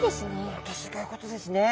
本当すギョいことですね。